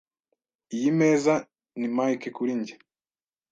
Iyi meza ni mike kuri njye .